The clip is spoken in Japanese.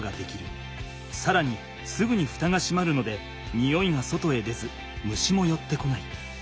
さらにすぐにフタがしまるので臭いが外へ出ず虫もよってこない。